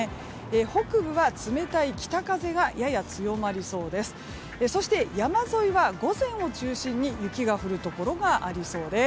北部は冷たい北風がやや強まりそうです。